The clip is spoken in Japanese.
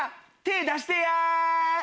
手出してや！